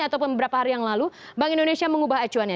ataupun beberapa hari yang lalu bank indonesia mengubah acuannya